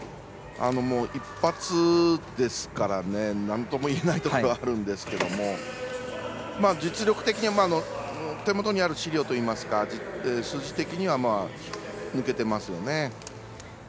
一発ですからなんともいえないところがあるんですけれども実力的には手元にある資料といいますか数字的には抜けてますよね。